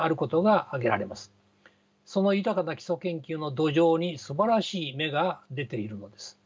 その豊かな基礎研究の土壌にすばらしい芽が出ているのです。